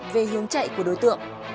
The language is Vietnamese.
về hướng chạy của đối tượng